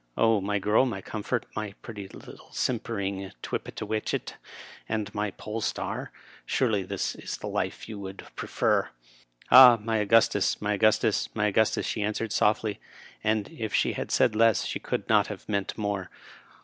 Oh, my girl, my comfort, my pretty little simpering tippetiwitchet, and my pole star, surely this is the life you would prefer i "" Ah ! my Augustus, my Augustus, my Augustus !'' she answered softly ; and, if she had said less, she could not have meant more.